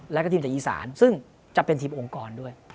แล้วก็ทีมจากอีสานซึ่งจะเป็นทีมองค์กรด้วย